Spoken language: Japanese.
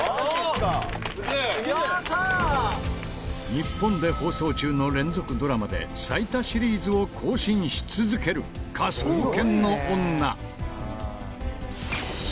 日本で放送中の連続ドラマで最多シリーズを更新し続ける『科捜研の女』。